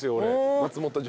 松本城。